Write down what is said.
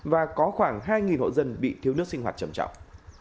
và có khoảng hai hộ dân bị thiếu nước sinh hoạt trầm trọng